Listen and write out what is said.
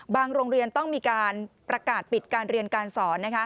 โรงเรียนต้องมีการประกาศปิดการเรียนการสอน